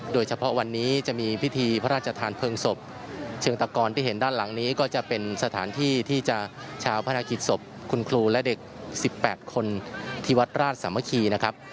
โดยเฉพาะวันนี้จะมีพิธีพระราชทานเพลิงศพเชิงตะกรที่เห็นด้านหลังนี้ก็จะเป็นสถานที่ที่จะชาวพนักกิจศพคุณครูและเด็ก๑๘คนที่วัดราชสามัคคีนะครับ